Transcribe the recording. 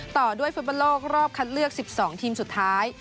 ต่อด้วยฟุตบอลโลกรอบคัดเลือก๑๒ทีมสุดท้าย